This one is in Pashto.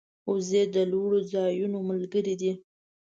وزې د لوړو ځایونو ملګرې دي